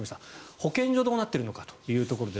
保健所どうなってるのかというところです。